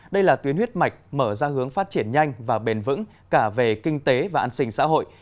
đây là tuyến huyết mạch mở ra hướng phát triển nhanh và bền vững cả về kinh tế và an sinh xã hội